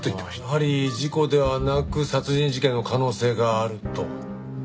やはり事故ではなく殺人事件の可能性があると。